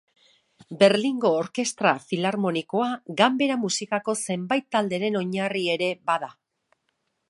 Berlingo Orkestra Filarmonikoa, ganbera musikako zenbait talderen oinarri ere bada.